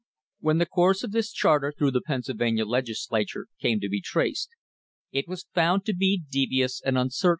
When the course of this charter through the Pennsylvania Legislature came to be traced, it was found to be devious * See Appendix, Number 9.